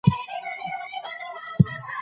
په سختو شرایطو کې صبر وکړئ